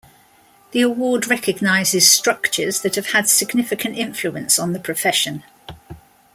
The award recognizes structures that have had significant influence on the profession.